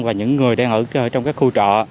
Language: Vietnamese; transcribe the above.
và những người đang ở trong các khu trọ